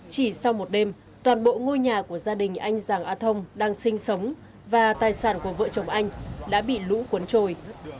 chỉ sau một đêm toàn bộ ngôi nhà của gia đình anh giàng a thông đang sinh sống và tài sản của vợ chồng anh đã bị lũ cuốn trôi